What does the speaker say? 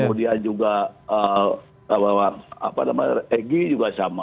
kemudian juga apa namanya egy juga sama